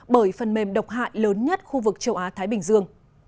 bởi phần mềm độc hại lớn nhất khu vực châu á thái bình dương